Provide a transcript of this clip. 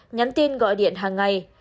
nhắn tin gọi điện hàng ngày